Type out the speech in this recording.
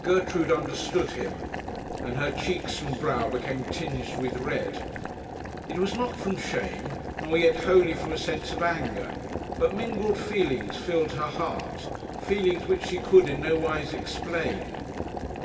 Gertrude understood him, and her cheeks and brow became tinged with red. It was not from shame, nor yet wholly from a sense of anger, but mingled feelings filled her heart; feelings which she could in nowise explain.